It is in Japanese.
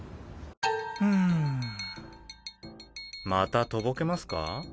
うん。またとぼけますか？